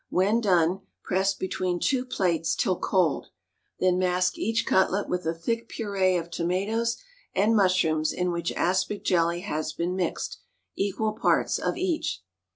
When done, press between two plates till cold. Then mask each cutlet with a thick purée of tomatoes and mushrooms in which aspic jelly has been mixed, equal parts of each.